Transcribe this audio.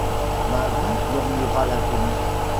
Ma vie ! murmura l’inconnu.